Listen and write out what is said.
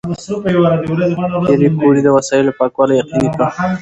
پېیر کوري د وسایلو پاکوالی یقیني کړ.